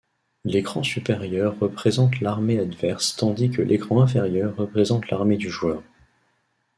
L'écran supérieur représente l'armée adverse tandis que l'écran inférieur représente l'armée du joueur.